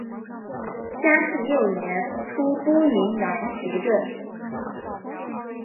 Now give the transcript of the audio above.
嘉庆六年出督云南学政。